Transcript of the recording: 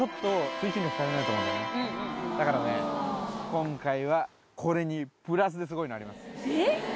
今回はこれにプラスですごいのありますえっ？